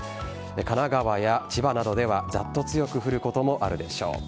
神奈川や千葉などではざっと強く降ることもあるでしょう。